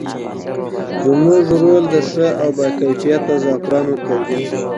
زموږ رول د ښه او باکیفیته زعفرانو تولید دی.